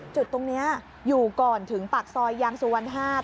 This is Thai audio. จุดตรงนี้อยู่ก่อนถึงปากซอยยางสุวรรณ๕